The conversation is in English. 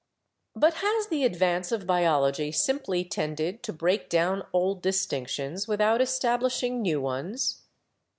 But has the advance of biology simply tended to break down old distinctions without establishing new ones?